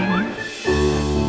lain pasang setengah cuaca